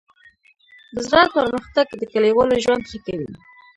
د زراعت پرمختګ د کليوالو ژوند ښه کوي.